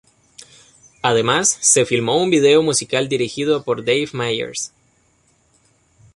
Además, se filmó un vídeo musical dirigido por Dave Meyers.